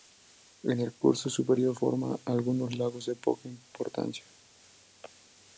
En el curso superior forma algunos lagos de poca importancia.